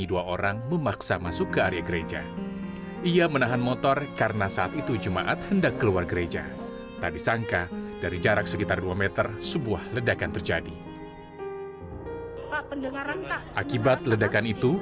tanpa kosmas mungkin lebih banyak korban yang berjatuhan